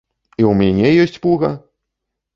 І ў мяне ёсць пуга!